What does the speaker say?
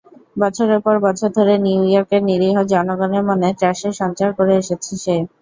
বছরের পর বছর ধরে নিউ ইয়র্কের নিরীহ জনগণের মনে ত্রাসের সঞ্চার করে এসেছে সে।